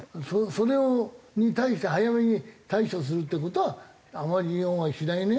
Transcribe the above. それに対して早めに対処するっていう事はあまり日本はしないね。